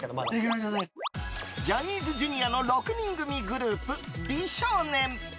ジャニーズＪｒ．の６人組グループ美少年。